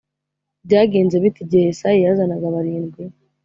byagenze bite igihe yesayi yazanaga barindwi